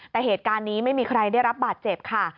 แต่เหตุการณ์นี้ไม่มีใครได้รับบาดเจ็บค่ะ